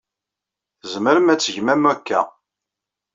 Tzemrem ad tgem am wakka.